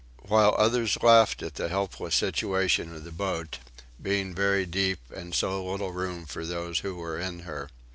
While others laughed at the helpless situation of the boat, being very deep and so little room for those who were in her.